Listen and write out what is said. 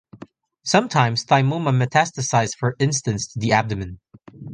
Sometimes thymoma metastasize for instance to the abdomen.